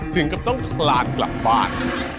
ถึงกับต้องคลานกลับบ้าน